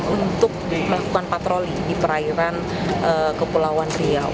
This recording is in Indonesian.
untuk melakukan patroli di perairan kepulauan riau